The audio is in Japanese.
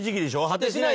果てしない。